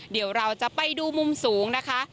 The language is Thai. เดี๋ยวเราจะไปดูมุมสูงนะคะ